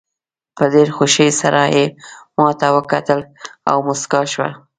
په ډېره خوښۍ سره یې ماته وکتل او موسکاه شوه.